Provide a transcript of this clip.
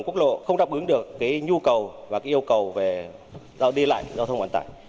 các tuyến đường quốc lộ không đáp ứng được cái nhu cầu và cái yêu cầu về giao đi lại bộ giao thông vận tải